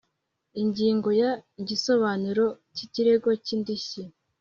Ingingo ya igisobanuro cy ikirego cy indishyi